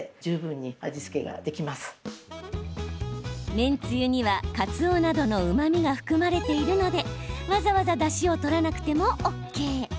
麺つゆには、かつおなどのうまみが含まれているのでわざわざだしを取らなくてもＯＫ。